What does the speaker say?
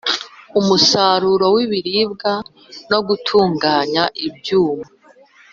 umusaruro w ibiribwa no gutunganya ibyuma